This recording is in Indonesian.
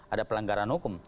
ada pelanggaran hukum